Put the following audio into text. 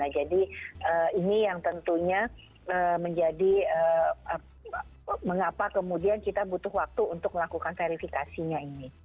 jadi ini yang tentunya menjadi mengapa kemudian kita butuh waktu untuk melakukan verifikasinya ini